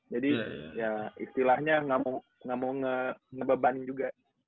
jadi ya istilahnya gak mau ngebeban juga